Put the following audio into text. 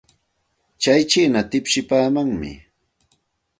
Tsay chiina tipsipaamanmi.